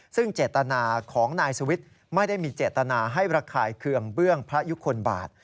ซึ่งเจตนาของนายสวิทย์ไม่ได้มีเจตนาให้ระคายเคืองเบื้องพระยุคลบาท